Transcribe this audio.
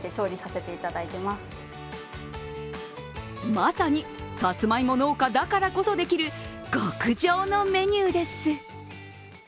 まさにさつまいも農家だからこそできる極上のメニューです。